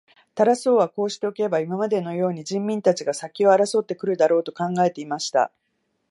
タラス王はこうしておけば、今までのように人民たちが先を争って来るだろう、と考えていました。